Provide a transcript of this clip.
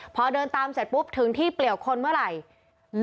พอเดินตามเสร็จปุ๊บถึงที่เปลี่ยวคนเมื่อไหร่